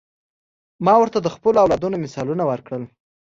ما ورته د خپلو اولادونو مثالونه ورکړل.